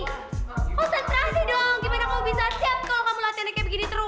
gimana kamu bisa siap kalau kamu latihannya kayak begini terus